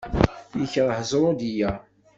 Yekreh zzruḍya.